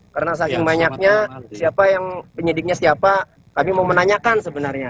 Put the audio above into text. karena saking banyaknya penyidiknya siapa kami mau menanyakan sebenarnya